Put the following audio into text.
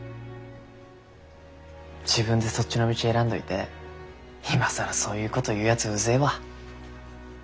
自分でそっちの道選んどいて今更そういうごど言うやつうぜえわ。